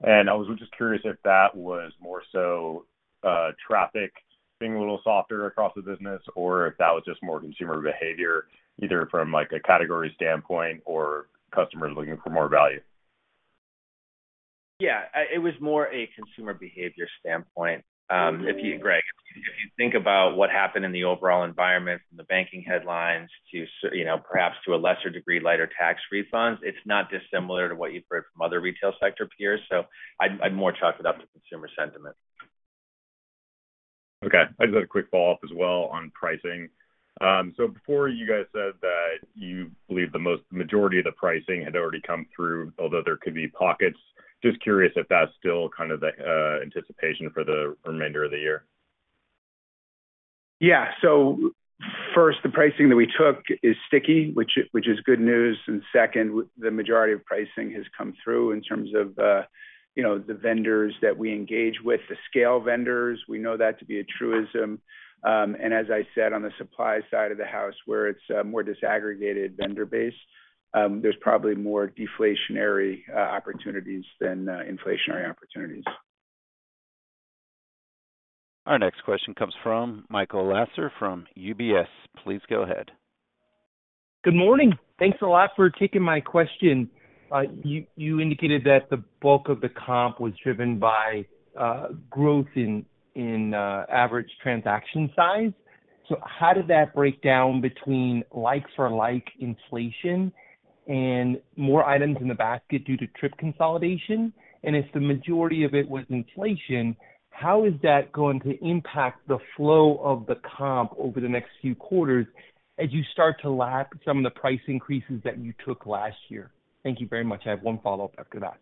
S13: I was just curious if that was more so traffic being a little softer across the business or if that was just more consumer behavior, either from, like, a category standpoint or customers looking for more value?
S4: Yeah. It was more a consumer behavior standpoint. Greg, if you think about what happened in the overall environment from the banking headlines to, you know, perhaps to a lesser degree, lighter tax refunds, it's not dissimilar to what you've heard from other retail sector peers. I'd more chalk it up to consumer sentiment.
S13: Okay. I just had a quick follow-up as well on pricing. Before you guys said that you believe the most majority of the pricing had already come through, although there could be pockets. Just curious if that's still kind of the anticipation for the remainder of the year?
S3: First, the pricing that we took is sticky, which is good news. Second, the majority of pricing has come through in terms of, you know, the vendors that we engage with, the scale vendors. We know that to be a truism. As I said, on the supply side of the house, where it's more disaggregated vendor base, there's probably more deflationary opportunities than inflationary opportunities.
S1: Our next question comes from Michael Lasser from UBS. Please go ahead.
S14: Good morning. Thanks a lot for taking my question. You indicated that the bulk of the comp was driven by growth in average transaction size. How did that break down between likes for like inflation and more items in the basket due to trip consolidation? If the majority of it was inflation, how is that going to impact the flow of the comp over the next few quarters as you start to lap some of the price increases that you took last year? Thank you very much. I have 1 follow-up after that.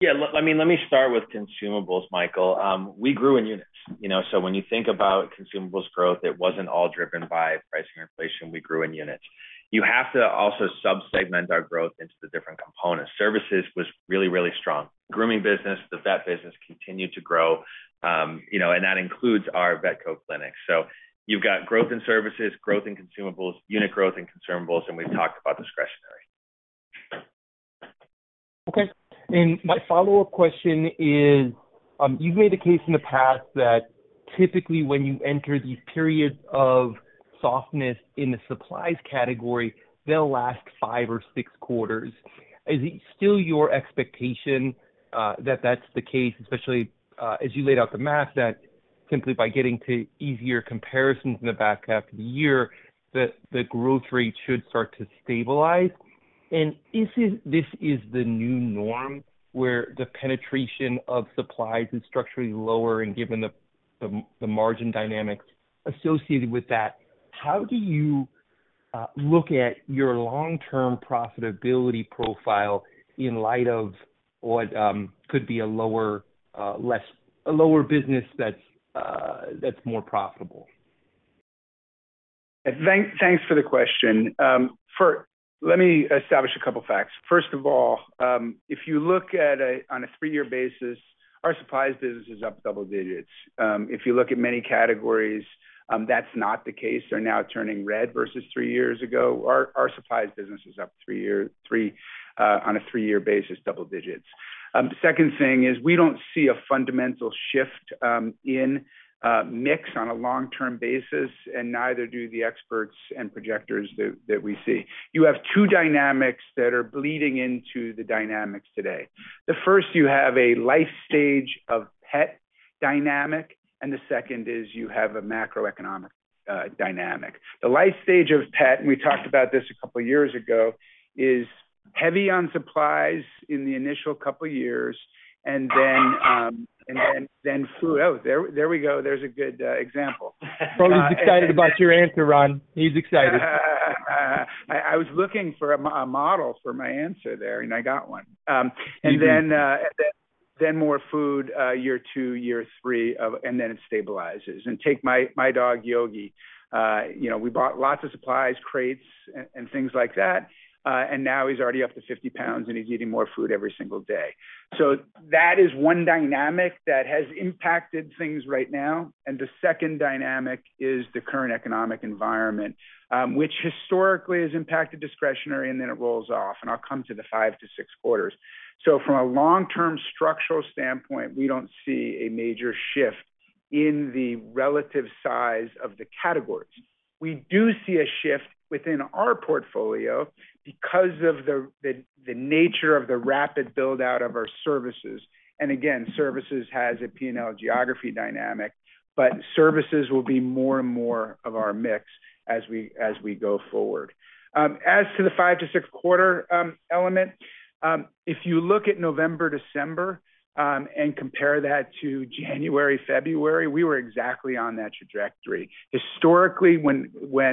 S4: Yeah. I mean, let me start with Consumables, Michael. We grew in units. You know, when you think about Consumables growth, it wasn't all driven by pricing or inflation. We grew in units. You have to also sub-segment our growth into the different components. Services was really, really strong. Grooming business, the Vetco business continued to grow, you know, and that includes our Vetco clinics. You've got growth in Services, growth in Consumables, unit growth in Consumables, and we've talked about discretionary.
S14: Okay. My follow-up question is, you've made the case in the past that typically when you enter these periods of softness in the supplies category, they'll last five or six quarters. Is it still your expectation that that's the case, especially as you laid out the math, that simply by getting to easier comparisons in the back half of the year, that the growth rate should start to stabilize? Is it this is the new norm, where the penetration of supplies is structurally lower and given the margin dynamics associated with that, how do you look at your long-term profitability profile in light of what could be a lower, less a lower business that's more profitable?
S3: Thanks, thanks for the question. First, let me establish a couple facts. First of all, if you look on a three-year basis, our Supplies business is up double digits. If you look at many categories, that's not the case. They're now turning red versus three years ago. Our Supplies business is up on a three-year basis, double digits. Second thing is we don't see a fundamental shift in mix on a long-term basis, and neither do the experts and projectors that we see. You have two dynamics that are bleeding into the dynamics today. The first, you have a life stage of pet dynamic, and the second is you have a macroeconomic dynamic. The life stage of pet, and we talked about this a couple years ago, is heavy on supplies in the initial couple years and then food. Oh, there we go. There's a good example.
S4: He's excited about your answer, Ron. He's excited.
S3: I was looking for a model for my answer there. I got one. Then more food, year two, year three of... and then it stabilizes. Take my dog, Yogi. You know, we bought lots of supplies, crates and things like that. Now he's already up to 50 pounds, and he's eating more food every single day. That is one dynamic that has impacted things right now. The second dynamic is the current economic environment, which historically has impacted discretionary, and then it rolls off, and I'll come to the five to six quarters. From a long-term structural standpoint, we don't see a major shift in the relative size of the categories. We do see a shift within our portfolio because of the nature of the rapid build-out of our services. Again, Services has a P&L geography dynamic, but Services will be more and more of our mix as we go forward. As to the five to six quarter element, if you look at November, December, and compare that to January, February, we were exactly on that trajectory. Historically, when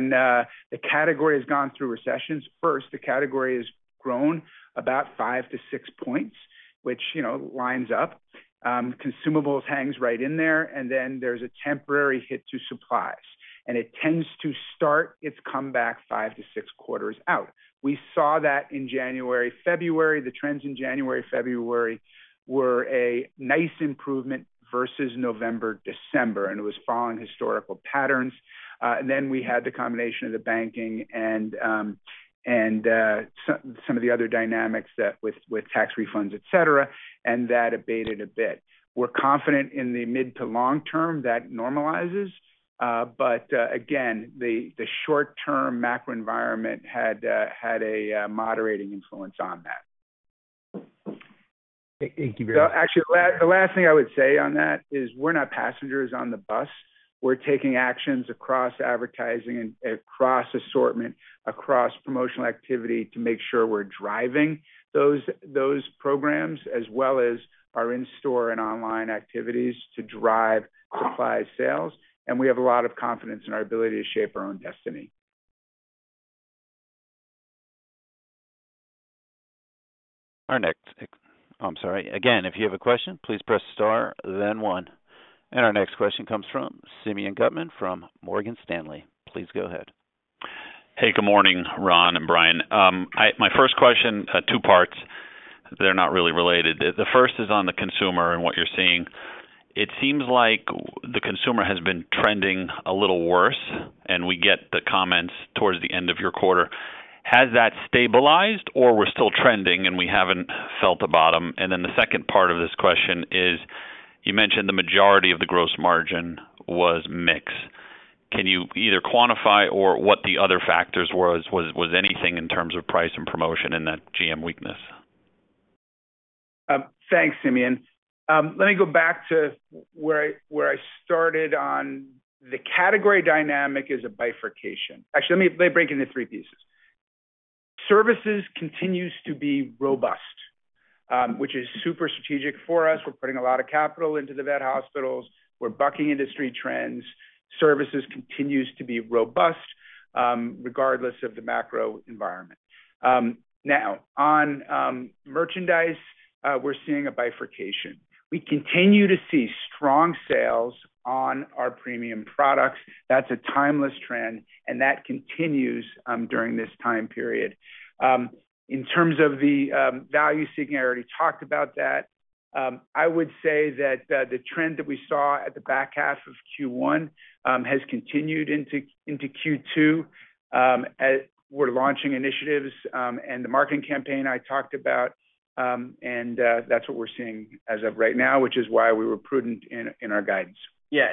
S3: the category has gone through recessions first, the category has grown about 5 to 6 points, which, you know, lines up. Consumables hangs right in there, and then there's a temporary hit to supplies, and it tends to start its comeback five to six quarters out. We saw that in January, February. The trends in January, February were a nice improvement versus November, December, and it was following historical patterns. Then we had the combination of the banking and some of the other dynamics that with tax refunds, et cetera, and that abated a bit. We're confident in the mid to long term that normalizes, again, the short term macro environment had a moderating influence on that.
S14: Thank you very much.
S3: Actually, the last thing I would say on that is we're not passengers on the bus. We're taking actions across advertising and across assortment, across promotional activity to make sure we're driving those programs as well as our in-store and online activities to drive supply sales. We have a lot of confidence in our ability to shape our own destiny.
S1: I'm sorry. If you have a question, please press star then one. Our next question comes from Simeon Gutman from Morgan Stanley. Please go ahead.
S15: Hey, good morning, Ron and Brian. My first question, two parts. They're not really related. The first is on the consumer and what you're seeing. It seems like the consumer has been trending a little worse, and we get the comments towards the end of your quarter. Has that stabilized or we're still trending and we haven't felt the bottom? The second part of this question is, you mentioned the majority of the gross margin was mix. Can you either quantify or what the other factors was? Was anything in terms of price and promotion in that GM weakness?
S3: Thanks, Simeon. Let me go back to where I started on the category dynamic is a bifurcation. Actually, let me break into three pieces. Services continues to be robust, which is super strategic for us. We're putting a lot of capital into the vet hospitals. We're bucking industry trends. Services continues to be robust, regardless of the macro environment. Now, on merchandise, we're seeing a bifurcation. We continue to see strong sales on our premium products. That's a timeless trend, and that continues during this time period. In terms of the value seeking, I already talked about that. I would say that the trend that we saw at the back half of Q1 has continued into Q2. We're launching initiatives and the marketing campaign I talked about, and that's what we're seeing as of right now, which is why we were prudent in our guidance.
S4: Yeah.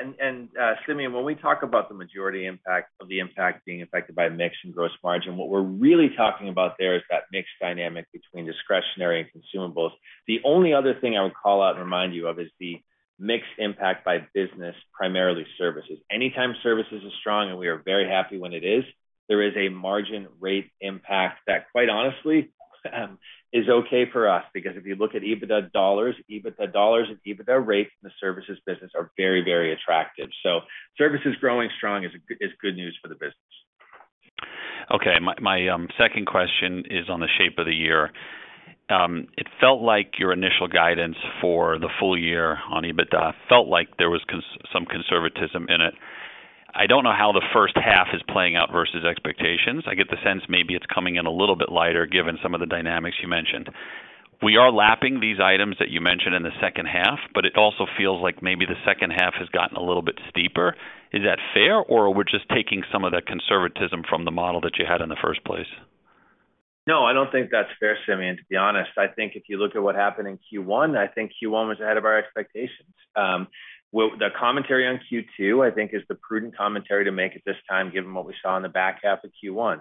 S4: Simeon, when we talk about the majority impact of the impact being affected by mix and gross margin, what we're really talking about there is that mix dynamic between discretionary and Consumables. The only other thing I would call out and remind you of is the mix impact by business, primarily in Services. Anytime Services are strong, and we are very happy when it is, there is a margin rate impact that, quite honestly, is okay for us. If you look at EBITDA dollars, EBITDA dollars and EBITDA rates in the Services business are very, very attractive. Services growing strong is good news to the business.
S15: Okay. My second question is on the shape of the year. It felt like your initial guidance for the full year on EBITDA felt like there was some conservatism in it. I don't know how the first half is playing out versus expectations. I get the sense maybe it's coming in a little bit lighter given some of the dynamics you mentioned. We are lapping these items that you mentioned in the second half, but it also feels like maybe the second half has gotten a little bit steeper. Is that fair, or we're just taking some of the conservatism from the model that you had in the first place?
S4: No, I don't think that's fair, Simeon, to be honest. I think if you look at what happened in Q1, I think Q1 was ahead of our expectations. Well, the commentary on Q2, I think is the prudent commentary to make at this time, given what we saw in the back half of Q1.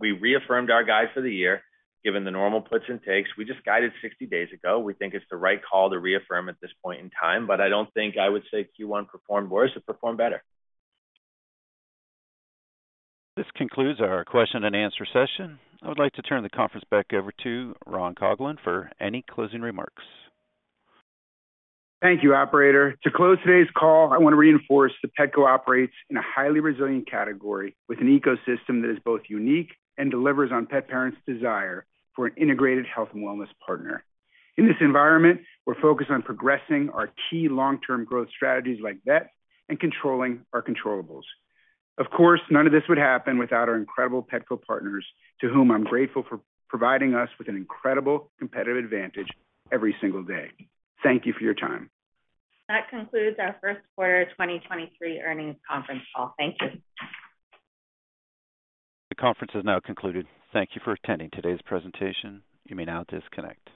S4: We reaffirmed our guide for the year, given the normal puts and takes. We just guided 60 days ago. We think it's the right call to reaffirm at this point in time, I don't think I would say Q1 performed worse, it performed better.
S1: This concludes our question-and-answer session. I would like to turn the conference back over to Ron Coughlin for any closing remarks.
S3: Thank you, operator. To close today's call, I want to reinforce that Petco operates in a highly resilient category with an ecosystem that is both unique and delivers on pet parents' desire for an integrated health and wellness partner. In this environment, we're focused on progressing our key long-term growth strategies like vet and controlling our controllables. Of course, none of this would happen without our incredible Petco partners, to whom I'm grateful for providing us with an incredible competitive advantage every single day. Thank you for your time.
S2: That concludes our first quarter 2023 earnings conference call. Thank you.
S1: The conference has now concluded. Thank you for attending today's presentation. You may now disconnect.